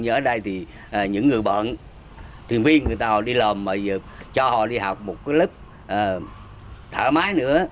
nhưng ở đây thì những người bận thuyền viên người ta đi làm cho họ đi học một lớp thợ máy nữa